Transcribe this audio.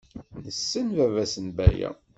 Nessen baba-s n Baya.